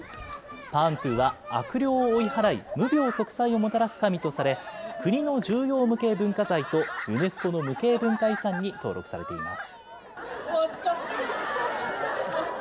パーントゥは悪霊を追い払い、無病息災をもたらす神とされ、国の重要無形文化財とユネスコの無形文化遺産に登録されています。